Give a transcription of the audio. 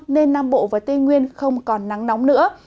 nên nam bộ và tây nguyên không còn nắng nóng nữa